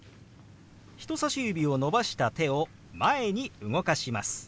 人さし指を伸ばした手を前に動かします。